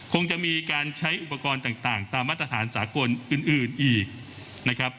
คงจะมีการใช้อุปกรณ์ต่างตามมาตรฐานสากลอื่นอีกนะครับ